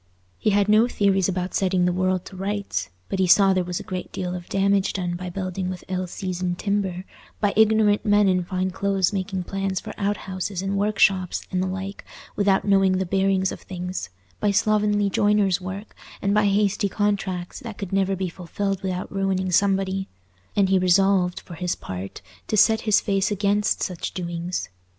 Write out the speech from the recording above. He had no theories about setting the world to rights, but he saw there was a great deal of damage done by building with ill seasoned timber—by ignorant men in fine clothes making plans for outhouses and workshops and the like without knowing the bearings of things—by slovenly joiners' work, and by hasty contracts that could never be fulfilled without ruining somebody; and he resolved, for his part, to set his face against such doings.